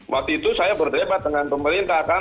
waktu itu saya berdebat dengan pemerintah kan